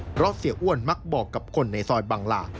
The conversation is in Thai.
เพราะเสียอ้วนมักบอกกับคนในซอยบังหลา